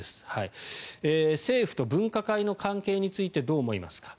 政府と分科会の関係についてどう思いますか。